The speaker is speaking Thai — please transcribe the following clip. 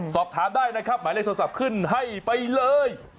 สอบถามได้นะครับหมายเลขโทรศัพท์ขึ้นให้ไปเลย